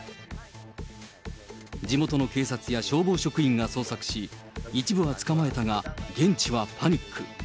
地元の警察や消防職員が捜索し、一部は捕まえたが、現地はパニック。